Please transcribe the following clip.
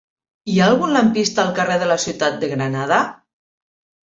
Hi ha algun lampista al carrer de la Ciutat de Granada?